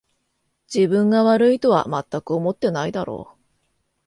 自分が悪いとはまったく思ってないだろう